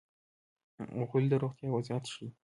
غول د روغتیا وضعیت ښيي.